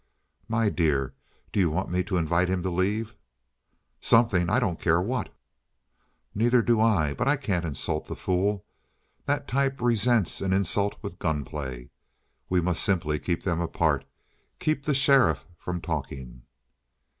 "My dear! Do you want me to invite him to leave?" "Something I don't care what!" "Neither do I. But I can't insult the fool. That type resents an insult with gunplay. We must simply keep them apart. Keep the sheriff from talking."